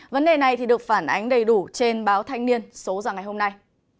vấn đề này được phản ánh đầy đủ trên báo thanh niên số ra ngày hôm nay